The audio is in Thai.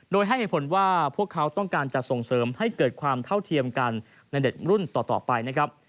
โดยให้เหตุผลว่าพวกเขาต้องการจะส่งเสริมให้เกิดความเท่าเทียมกันในเด็กรุ่นต่อไปนะครับ